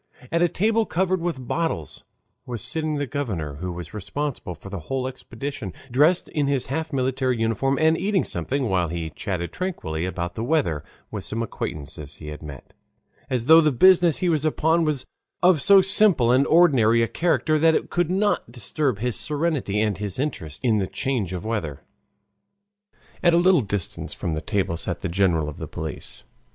At a table covered with bottles was sitting the governor, who was responsible for the whole expedition, dressed in his half military uniform and eating something while he chatted tranquilly about the weather with some acquaintances he had met, as though the business he was upon was of so simple and ordinary a character that it could not disturb his serenity and his interest in the change of weather. At a little distance from the table sat the general of the police.